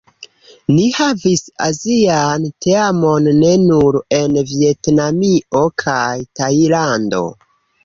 Ni havis Azian teamon ne nur en Vjetnamio kaj Tajlando.